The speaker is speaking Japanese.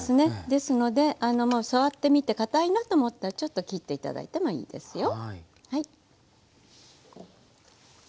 ですので触ってみてかたいなと思ったらちょっと切って頂いてもいいですよ。